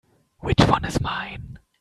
Which one is mine?